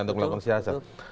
untuk melakukan siasat